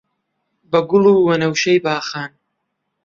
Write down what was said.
بە گوڵ و وەنەوشەی باغان